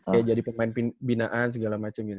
kayak jadi pemain pembinaan segala macem gitu